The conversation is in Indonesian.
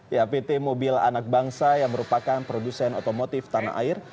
ya pt mobil anak bangsa yang merupakan produsen otomotif tanah air